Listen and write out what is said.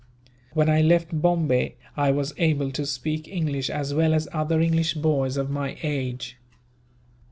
When I left Bombay I was able to speak English as well as other English boys of my age.